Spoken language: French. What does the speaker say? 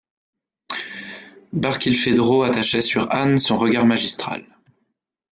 Barkilphedro attachait sur Anne son regard magistral.